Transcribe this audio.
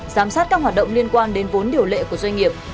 giám sát các hoạt động liên quan đến vốn điều lệ của doanh nghiệp